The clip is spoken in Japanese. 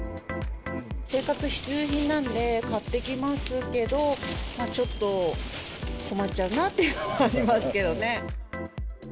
生活必需品なんで買っていきますけど、ちょっと困っちゃうなっていうのはありますけどね。